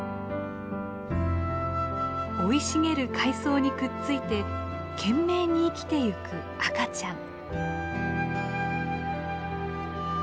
生い茂る海藻にくっついて懸命に生きてゆく赤ちゃん。